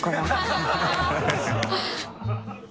ハハハ